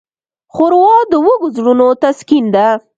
ښوروا د وږو زړونو تسکین ده.